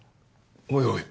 おいおい。